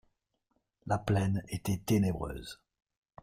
La plaine était ténébreuse.